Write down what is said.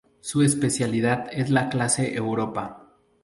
Su especialidad es la clase Europa.